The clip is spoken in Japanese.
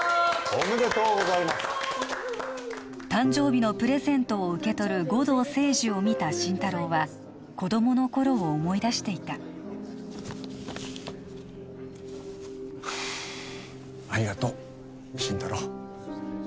おめでとうございます誕生日のプレゼントを受け取る護道清二を見た心太朗は子供の頃を思い出していたありがとう心太朗